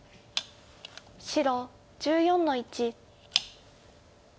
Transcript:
白１４の一。